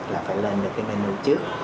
là phải lên được cái menu trước